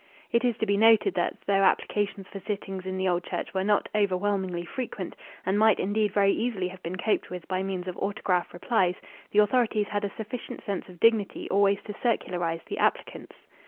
It is to be noted that, though applications for sittings in the Old Church were not overwhelmingly frequent, and might indeed very easily have been coped with by means of autograph replies, the authorities had a sufficient sense of dignity always to circularize the applicants.